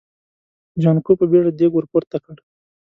جانکو په بيړه دېګ ور پورته کړ.